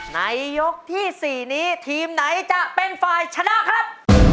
ในยกที่๔นี้ทีมไหนจะเป็นฝ่ายชนะครับ